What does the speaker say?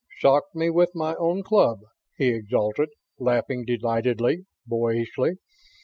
"Socked me with my own club!" he exulted, laughing delightedly, boyishly.